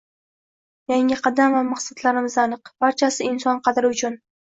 Yangi qadam va maqsadlarimiz aniq: barchasi inson qadri uchun!ng